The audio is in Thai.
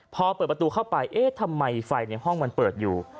พอเปิดประตูเข้าไปเอ๊ะทำไมไฟในห้องมันเปิดอยู่